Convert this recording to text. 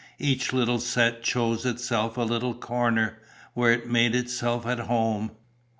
Each little set chose itself a little corner, where it made itself at home.